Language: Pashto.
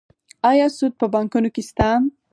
آیا سود په بانکونو کې شته؟